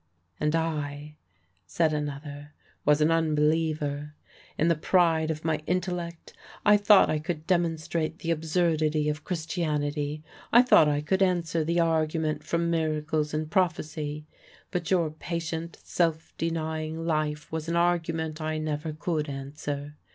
"And I," said another, "was an unbeliever. In the pride of my intellect, I thought I could demonstrate the absurdity of Christianity. I thought I could answer the argument from miracles and prophecy; but your patient, self denying life was an argument I never could answer.